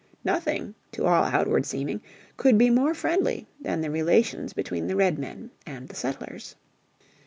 Nothing, to all outward seeming, could be more friendly than the relations between the Redmen and the settlers.